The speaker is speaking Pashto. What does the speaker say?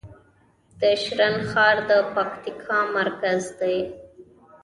د شرن ښار د پکتیکا مرکز دی